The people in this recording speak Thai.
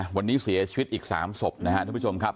วันนี้เสียชีวิตอีก๓ศพนะครับทุกผู้ชมครับ